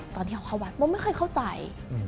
ตอนที่เข้าวัดมุมไม่เคยเข้าใจ